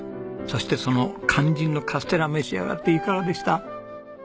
そしてその肝心のカステラ召し上がっていかがでした？